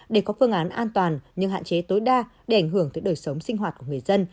để có phương án an toàn nhưng hạn chế tối đa để ảnh hưởng tới đời sống sinh hoạt của người dân